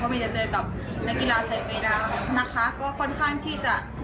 แบบไม่ว่าจะแพ้หรือชนะในวันนี้